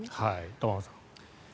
玉川さん。